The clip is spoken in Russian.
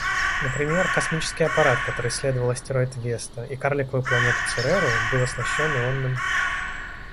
Например, космический аппарат который исследовал астероид Веста и карликовую планету Цереру, был оснащен ионным